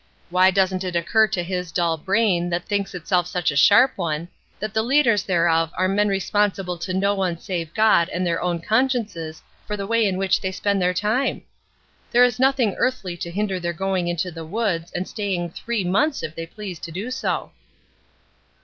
"Why doesn't it occur to his dull brain, that thinks itself such a sharp one, that the leaders thereof are men responsible to no one save God and their own consciences for the way in which they spend their time? There is nothing earthly to hinder their going to the woods, and staying three months if they please to do so."